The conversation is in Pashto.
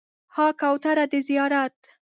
ها کوتره د زیارت